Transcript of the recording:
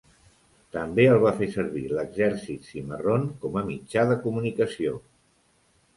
També el va fer servir l'exèrcit "cimarrón" como a mitjà de comunicació.